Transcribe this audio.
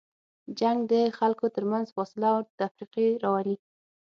جنګ د خلکو تر منځ فاصله او تفرقې راولي.